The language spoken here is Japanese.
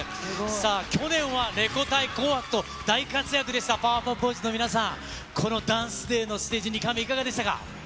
さあ、去年はレコ大、紅白と大活躍でした、パワーパフボーイズの皆さん、このＤＡＮＣＥＤＡＹのステージ２回目、いかがでしたか。